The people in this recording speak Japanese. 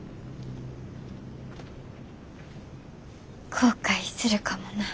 後悔するかもな。